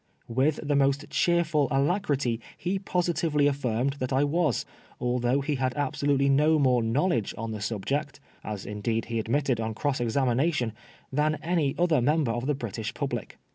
With the most cheerful alacrity he positively affirmed that I was, although he had absolutely no more knowledge on the subject — ^as indeed he admitted on cross examination — ^than any other member of the British public.